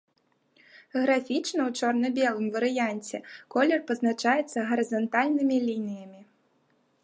Графічна ў чорна-белым варыянце колер пазначаецца гарызантальнымі лініямі.